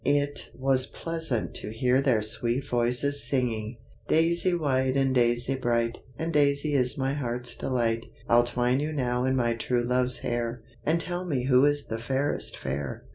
It was pleasant to hear their sweet voices singing: Daisy white and Daisy bright, And Daisy is my heart's delight! I'll twine you now in my true love's hair, And tell me who is the fairest fair!